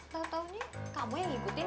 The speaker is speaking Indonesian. tahu tahunya kamu yang ngikutin